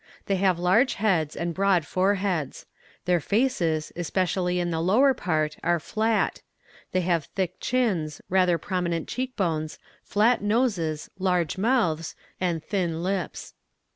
They have large heads, and broad foreheads. Their faces, especially in the lower part, are flat; they have thick chins, rather prominent cheek bones, flat noses, large mouths, and thin lips.